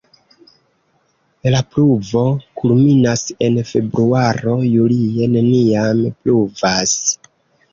La pluvo kulminas en februaro, julie neniam pluvas.